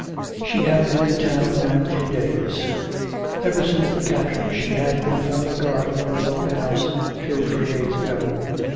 She had been in town now three days. Ever since the capture she had been under guard in her own house till three days ago.